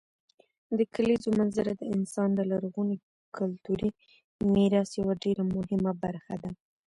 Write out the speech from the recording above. د کلیزو منظره د افغانستان د لرغوني کلتوري میراث یوه ډېره مهمه برخه ده.